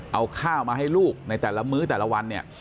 เอาข้าวมาให้ลูกในแต่ละมื้อแต่ละวันเนี่ย